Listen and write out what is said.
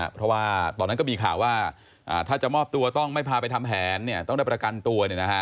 เพราะว่าตอนนั้นก็มีข่าวว่าถ้าจะมอบตัวต้องไม่พาไปทำแผนต้องได้ประกันตัว